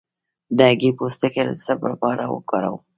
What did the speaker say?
د هګۍ پوستکی د څه لپاره وکاروم؟